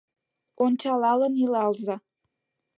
Ончалалын илалза.